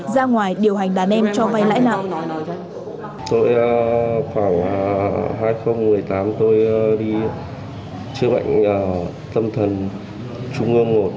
ra ngoài điều hành đàn em cho vay lãi nặng